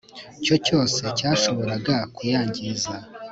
cyo cyose cyashobora kuyangiza